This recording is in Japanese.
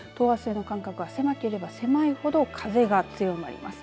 等圧線の間隔が狭ければ狭いほど風が強まります。